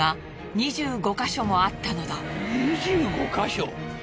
２５カ所！？